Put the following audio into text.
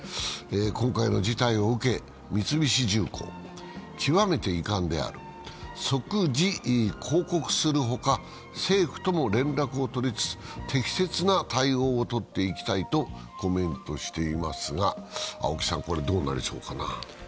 今回の事態を受け、三菱重工、極めて遺憾である、即時抗告する他政府とも連絡を取りつつ、適切な対応を取っていきたいとコメントしていますが、どうなりそうかな？